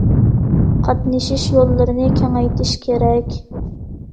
قاتنىشىش يوللىرىنى كېڭەيتىش كېرەك.